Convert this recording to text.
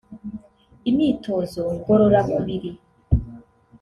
imyitozo ngororamubiri